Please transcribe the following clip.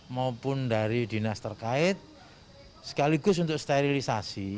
maupun dari dinas terkait sekaligus untuk sterilisasi